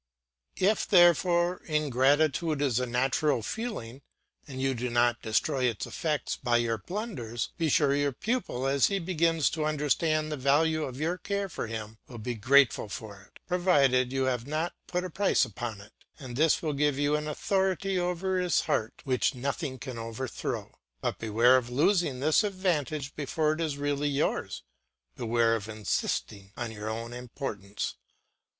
If therefore gratitude is a natural feeling, and you do not destroy its effects by your blunders, be sure your pupil, as he begins to understand the value of your care for him, will be grateful for it, provided you have not put a price upon it; and this will give you an authority over his heart which nothing can overthrow. But beware of losing this advantage before it is really yours, beware of insisting on your own importance.